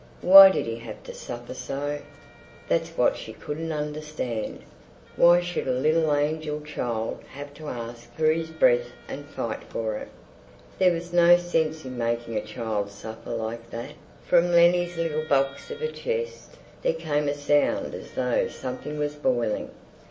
Why did he have to suffer so? That's what she couldn't understand. Why should a little angel child have to arsk for his breath and fight for it? There was no sense in making a child suffer like that. ... From Lennie's little box of a chest there came a sound as though something was boiling.